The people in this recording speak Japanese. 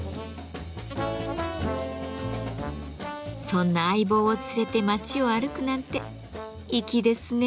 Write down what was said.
そんな相棒を連れて町を歩くなんて粋ですね。